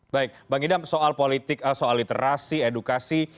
baik bang idam soal literasi edukasi